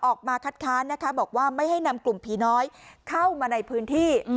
ออกมาคัดค้านนะคะบอกว่าไม่ให้นำกลุ่มผีน้อยเข้ามาในพื้นที่